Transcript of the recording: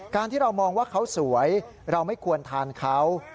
ที่เรามองว่าเขาสวยเราไม่ควรทานเขา